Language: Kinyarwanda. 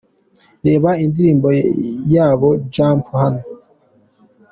Reba indirimbo yabo "Jump" hano :.